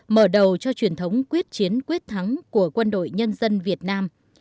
mở đầu cho truyền thống quyết chiến quyết thắng của quân đội nhân dân việt nam